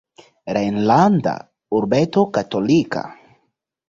Rejnlanda urbeto katolika.